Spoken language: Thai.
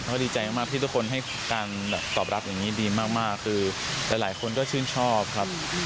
ก็ดีใจมากที่ทุกคนให้การตอบรับอย่างนี้ดีมากคือหลายคนก็ชื่นชอบครับ